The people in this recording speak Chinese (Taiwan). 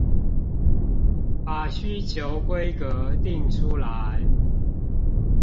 把需求規格訂出來